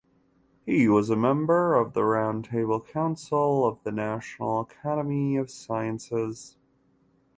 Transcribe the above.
He was a member of the Roundtable Council of the National Academy of Sciences.